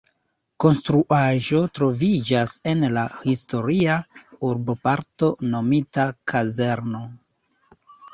Konstruaĵo troviĝas en la historia urboparto nomita "Kazerno".